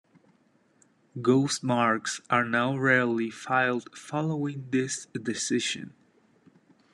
Ghost marks are now rarely filed following this decision.